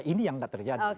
nah ini yang tidak terjadi